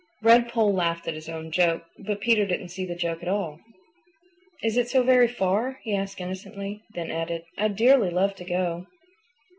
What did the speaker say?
Redpoll laughed at his own joke, but Peter didn't see the joke at all. "Is it so very far?" he asked innocently; then added, "I'd dearly love to go."